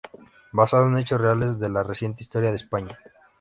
Basado en hechos reales de la reciente historia de España.